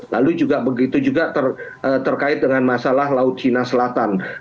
lalu juga begitu juga terkait dengan masalah laut cina selatan